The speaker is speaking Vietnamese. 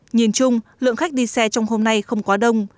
nhìn chung lượng khách đi xe trong hôm nay không quá đông